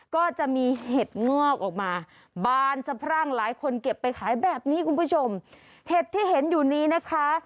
ก็จะมีเห็ดงอกออกมาบานสะพรั่งหลายคนเก็บไปขายแบบนี้คุณผู้ชมเห็ดที่เห็นอยู่นี้นะคะ